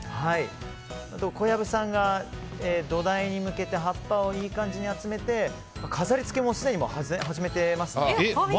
小籔さんが土台に向けて葉っぱをいい感じに集めて飾りつけもすでに始めていますね。